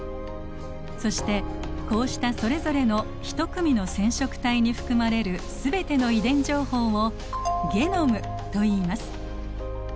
そしてこうしたそれぞれの一組の染色体に含まれる全ての遺伝情報をゲノムといいます。